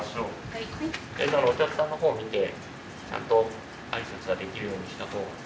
お客さんのほうを見てちゃんと挨拶ができるようにしたほうが。